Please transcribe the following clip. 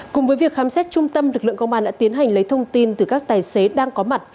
cùng với việc khám xét trung tâm lực lượng công an đã tiến hành lấy thông tin từ các tài xế đang có mặt